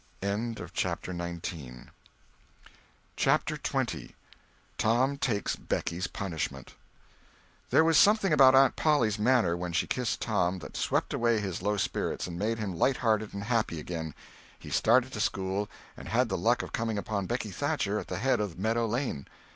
CHAPTER XX THERE was something about Aunt Polly's manner, when she kissed Tom, that swept away his low spirits and made him lighthearted and happy again. He started to school and had the luck of coming upon Becky Thatcher at the head of Meadow Lane.